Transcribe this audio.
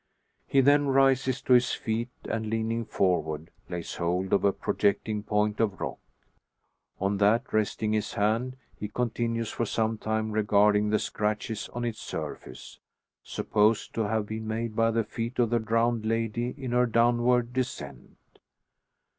He then rises to his feet, and leaning forward, lays hold of a projecting point of rock. On that resting his hand, he continues for some time regarding the scratches on its surface, supposed to have been made by the feet of the drowned lady in her downward descent.